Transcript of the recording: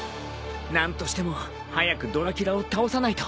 何としても早くドラキュラを倒さないと。